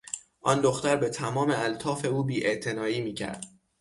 آن دختر به تمام الطاف او بیاعتنایی میکرد.